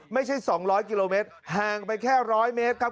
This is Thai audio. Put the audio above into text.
ไม่ใช่สองร้อยกิโลเมตรห่างไปแค่ร้อยเมตรครับ